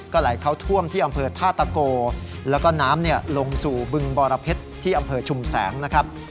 ไหลเข้าท่วมที่อำเภอท่าตะโกแล้วก็น้ำลงสู่บึงบรเพชรที่อำเภอชุมแสงนะครับ